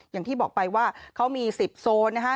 อย่างที่บอกไปว่าเขามี๑๐โซนนะฮะ